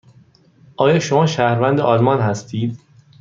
آیا شما شهروند آلمان هستید؟